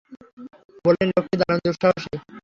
বললেন, লোকটি দারুণ দুঃসাহসী।